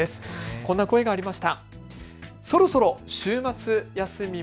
こんな声がありました。